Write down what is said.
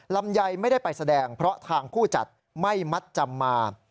ลำไยไม่ได้ไปแสดงเพราะทางผู้จัดไม่มัดจำมา